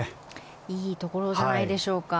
いいところじゃないでしょうか。